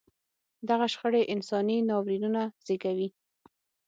دغه شخړې انساني ناورینونه زېږوي.